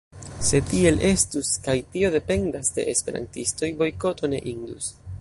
Se tiel estus, kaj tio dependas de esperantistoj, bojkoto ne indus.